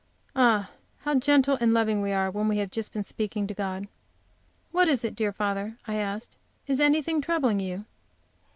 Ah, how gentle and loving we are when we have just been speaking to God! "What is it, dear father?" I asked; "is anything troubling you?"